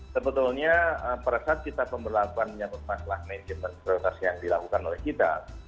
sebetulnya pada saat kita pemberlakuan menyebut masalah naik jembatan prioritas yang dilakukan oleh kita